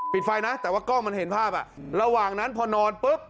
ไฟนะแต่ว่ากล้องมันเห็นภาพอ่ะระหว่างนั้นพอนอนปุ๊บ